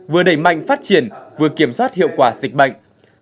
vừa đẩy mạnh phát triển vừa kiểm soát hiệu quả dịch bệnh